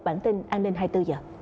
bản tin an ninh hai mươi bốn h